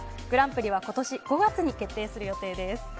グランプリは今年５月に決定する予定です。